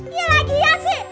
iya lagi ya sih